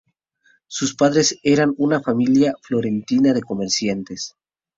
Sus padres eran una familia florentina de comerciantes.